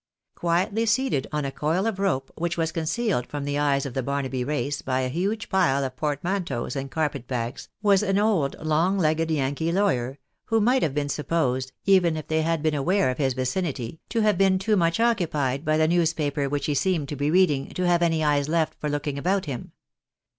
Quietly seated on a coil of rope, which was concealed from the eyes of the Barnaby race by a huge pile of portmanteaus and carpet bags, was an old long legged Yankee lawyer, who might have been supposed, even if they had been aware of his vicinity, to have been too much occupied by the newspaper which he seemed to be reading, to have any eyes left for looking about him.